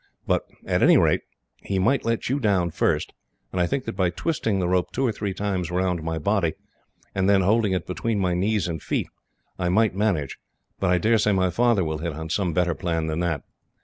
But at any rate, he might let you down first; and I think that by twisting the rope two or three times round my body, and then holding it between my knees and feet, I might manage. But I dare say my father will hit on some better plan than that.